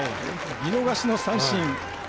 見逃しの三振。